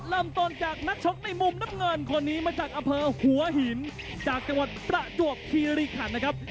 เริ่มต้นจากนักชกในมุมน้ำเงินคนนี้มาจากอำเภอหัวหินจากจังหวัดประจวบคีริขันนะครับ